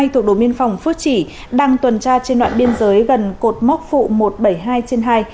thuộc đồn biên phòng phước chỉ đang tuần tra trên đoạn biên giới gần cột mốc phụ một trăm bảy mươi hai trên hai